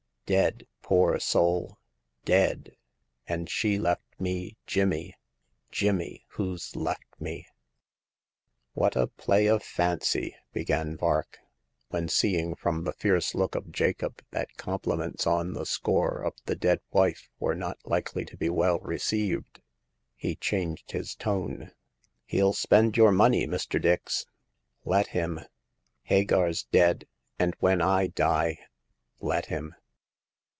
Dead — poor soul !— dead ; and she left me Jimmy— Jimmy, who's left me." 14 Hagar of the Pawn Shop. What a play of fancy " began Vark ; when, seeing from the fierce look of Jacob that compli ments on the score of the dead wife were not likely to be well received, he changed his tone. He'll spend your money, Mr. Dix/' " Let him ! Hagar 's dead, and when I die let him."